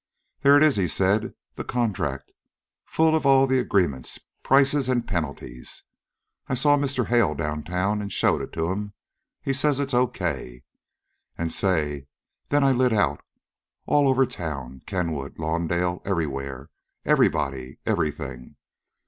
"There it is," he said, "the contract, full of all the agreements, prices, an' penalties. I saw Mr. Hale down town an' showed it to 'm. He says it's O.K. An' say, then I lit out. All over town, Kenwood, Lawndale, everywhere, everybody, everything.